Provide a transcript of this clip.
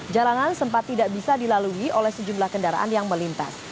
jalanan sempat tidak bisa dilalui oleh sejumlah kendaraan yang melintas